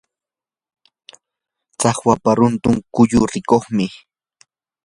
tsakwapa runtun kulli rikuqmi.